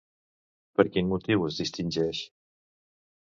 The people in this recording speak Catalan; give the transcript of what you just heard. Per quin motiu es distingeix?